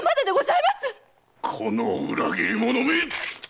この裏切り者め！